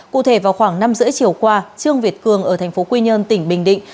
cụ thể vào khoảng năm h ba mươi chiều qua trương việt cường ở thành phố quy nhơn tỉnh bình định